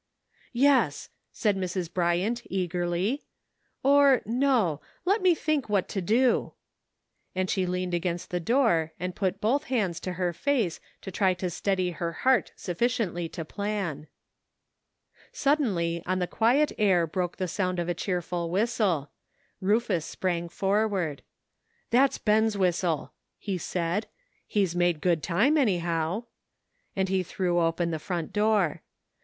" Yes," said Mrs. Bryant eagerly, " or, no ; let me think what to do," and she .leaned against the door and put both hands to her face to try to steady her heart sufficiently to plan. Suddenly on the quiet air broke the sound of a cheerful whistle. Rufus sprang forward. "That's Ben's whistle," he said; "he's made good time, anyhow," and he threw open the front door.